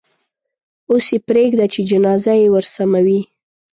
اوس یې پرېږده چې جنازه یې ورسموي.